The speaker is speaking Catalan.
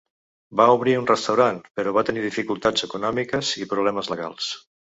Va obrir un restaurant, però va tenir dificultats econòmiques i problemes legals.